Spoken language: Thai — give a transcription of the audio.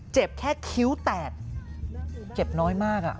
เจ็บแค่คิ้วแตกเจ็บเจ็บน้อยมาก